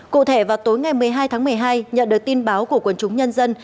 cụ thể vào tối ngày một mươi hai tháng một mươi hai nhận được tin báo của quần chúng nhân dân